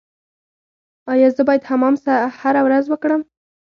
ایا زه باید حمام هره ورځ وکړم؟